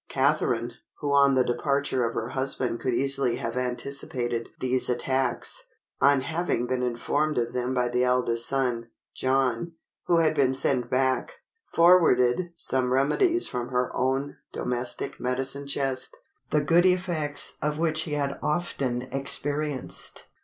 Catharine, who on the departure of her husband could easily have anticipated these attacks, on having been informed of them by the eldest son, John, who had been sent back, forwarded some remedies from her own domestic medicine chest, the good effects of which he had often experienced.